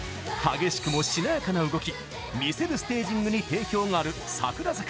激しくも、しなやかな動き魅せるステージングに定評がある櫻坂。